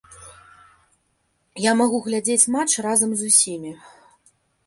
Я магу глядзець матч разам з усімі.